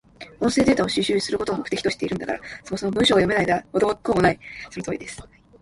音声データを収集することを目的としているんだから、そもそも文章が読めないのでは元も子もない。